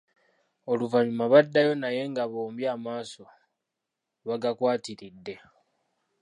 Oluvanyuma baddayo naye nga bombi amaaso bagakwatiridde.